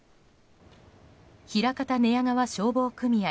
枚方寝屋川消防組合